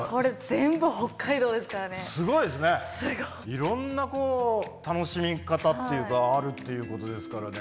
いろんな楽しみ方っていうかあるっていうことですからね。